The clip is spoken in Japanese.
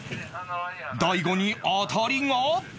大悟に当たりが？